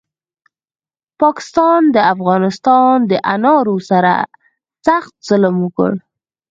پاکستاد د افغانستان دانارو سره سخت ظلم وکړو